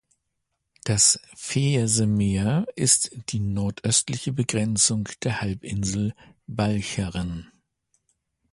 Das Veerse Meer ist die nordöstliche Begrenzung der Halbinsel Walcheren.